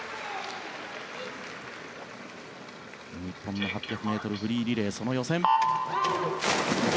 日本の８００ｍフリーリレーの予選。